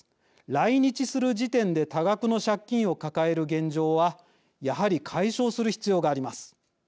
来日する時点で多額の借金を抱える現状はやはり解消する必要があります。